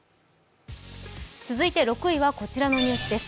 続いて６位はこちらのニュースです。